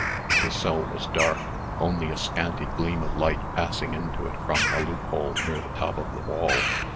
The cell was dark, only a scanty gleam of light passing into it from a loop hole near the top of the wall.